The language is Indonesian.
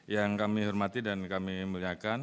yang kami hormati dan kami muliakan